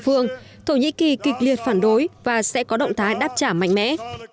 thủ tướng thổ nhĩ kỳ kịch liệt phản đối và sẽ có động thái đáp trả mạnh mẽ